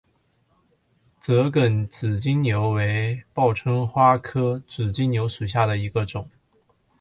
折梗紫金牛为报春花科紫金牛属下的一个种。